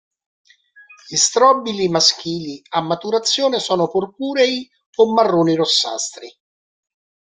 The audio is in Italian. Gli strobili maschili a maturazione sono purpurei o marroni-rossastri.